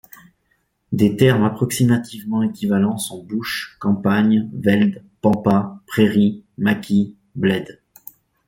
Des termes approximativement équivalents sont bush, campagne, veld, pampa, prairie, maquis, bled.